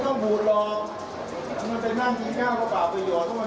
เรื่องอันที่